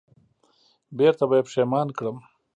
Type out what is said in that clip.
بېرته به یې پښېمان کړم